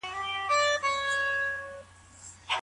حنفي فقه د ټولو حقونو درناوی کوي.